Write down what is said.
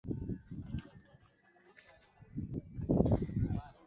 Nitavaa nguo kubwa sana